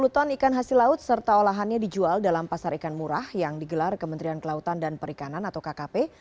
sepuluh ton ikan hasil laut serta olahannya dijual dalam pasar ikan murah yang digelar kementerian kelautan dan perikanan atau kkp